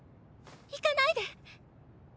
行かないで。